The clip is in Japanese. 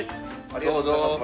ありがとうございます。